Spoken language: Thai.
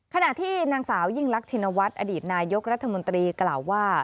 ขณะที่นางสาวยิ่งรักชินวัฒน์อดีตนายกรัฐมนตรีกล่าวว่า